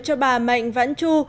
cho bà mạnh vãn chu